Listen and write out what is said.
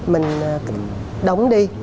mình đóng đi